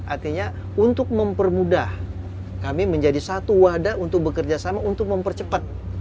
artinya untuk mempermudah kami menjadi satu wadah untuk bekerjasama untuk mempercepat